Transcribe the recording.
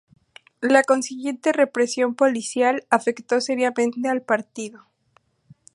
La consiguiente represión policial afectó seriamente al partido.